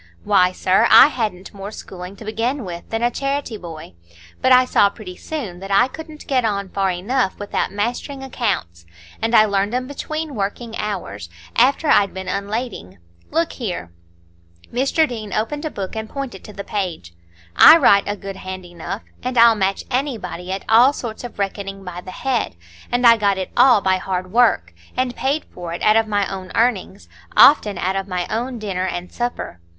Why, sir, I hadn't more schooling to begin with than a charity boy; but I saw pretty soon that I couldn't get on far enough without mastering accounts, and I learned 'em between working hours, after I'd been unlading. Look here." Mr Deane opened a book and pointed to the page. "I write a good hand enough, and I'll match anybody at all sorts of reckoning by the head; and I got it all by hard work, and paid for it out of my own earnings,—often out of my own dinner and supper.